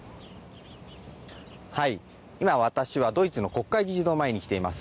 今、私はドイツの国会議事堂前にきてます。